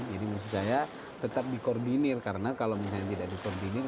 jadi menurut saya tetap di koordinir karena kalau misalnya tidak di koordinir